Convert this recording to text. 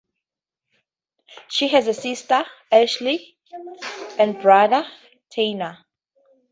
She has a sister, Ashley, and a brother, Tanner.